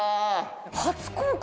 初公開